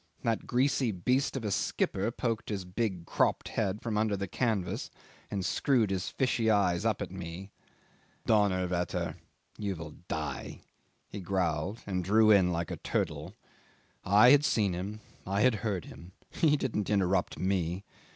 That greasy beast of a skipper poked his big cropped head from under the canvas and screwed his fishy eyes up at me. 'Donnerwetter! you will die,' he growled, and drew in like a turtle. I had seen him. I had heard him. He didn't interrupt me.